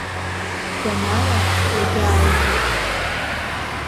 Гәанала иагьааиҳәеит…